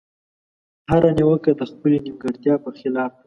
هره نيوکه د خپلې نيمګړتيا په خلاف ده.